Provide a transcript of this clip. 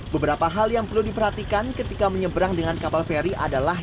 beberapa hal yang perlu diperhatikan ketika menyeberang dengan kapal feri adalah